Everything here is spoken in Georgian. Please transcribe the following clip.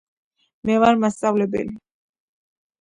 მე ვარ მასწავლებელი.